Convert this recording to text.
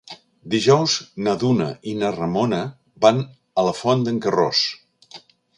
Dijous na Duna i na Ramona van a la Font d'en Carròs.